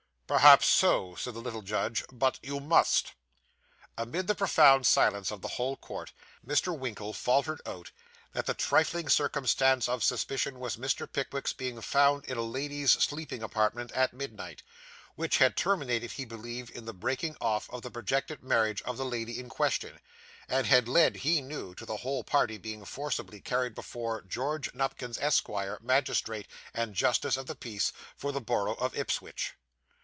'Perhaps so,' said the little judge; 'but you must.' Amid the profound silence of the whole court, Mr. Winkle faltered out, that the trifling circumstance of suspicion was Mr. Pickwick's being found in a lady's sleeping apartment at midnight; which had terminated, he believed, in the breaking off of the projected marriage of the lady in question, and had led, he knew, to the whole party being forcibly carried before George Nupkins, Esq., magistrate and justice of the peace, for the borough of Ipswich!